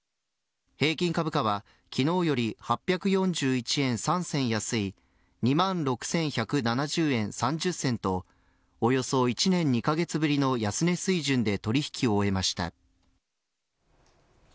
平均株価は昨日より８４１円３銭安い２万６１７０円３０銭とおよそ１年２カ月ぶりの安値水準で取引を終えました。